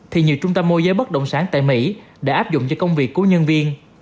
thì nhiều trung tâm mô giới bất động sản tại mỹ đã áp dụng cho công việc của nhân viên